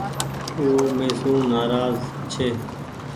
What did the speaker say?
او مي سون نآراز ڇي۔